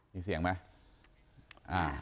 มีเสียงไหม